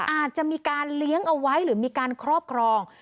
อาจจะมีการเลี้ยงเอาไว้หรือมีการครอบครอง